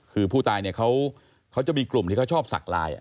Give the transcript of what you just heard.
คือผู้ตายเนี่ยเขาจะมีกลุ่มที่เขาชอบสักลาย